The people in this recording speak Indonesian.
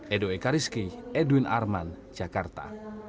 edo eka rizky edwin arman jakarta